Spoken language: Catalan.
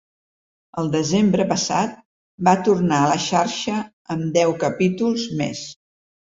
El desembre passat va tornar a la xarxa amb deu capítols més.